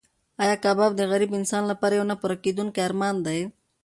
ایا کباب د غریب انسان لپاره یو نه پوره کېدونکی ارمان دی؟